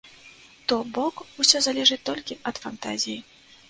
То бок усё залежыць толькі ад фантазіі.